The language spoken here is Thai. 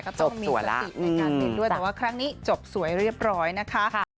ก็ต้องมีสติในการเต้นด้วยแต่ว่าครั้งนี้จบสวยเรียบร้อยนะคะ